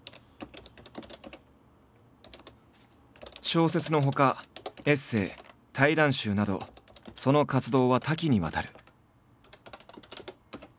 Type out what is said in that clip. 小説のほかエッセー対談集などその活動は多岐にわたる。